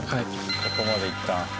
ここまでいった。